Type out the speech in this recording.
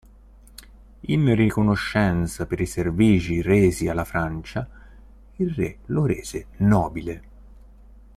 In riconoscenza per i servigi resi alla Francia, il re lo rese nobile.